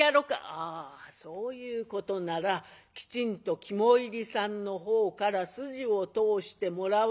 「ああそういうことならきちんと肝煎りさんのほうから筋を通してもらわんと」。